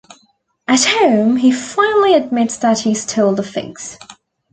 At home he finally admits that he stole the figs.